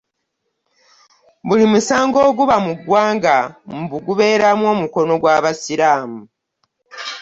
Buli musango oguba mu ggwanga mbu gubeeramu omukono gw'abasiraamu